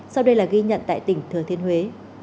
sau đây là ghi nhận tại tỉnh thừa thiên huế